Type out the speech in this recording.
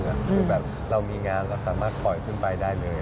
คือแบบเรามีงานเราสามารถปล่อยขึ้นไปได้เลย